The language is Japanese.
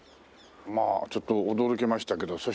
まあちょっと驚きましたけど。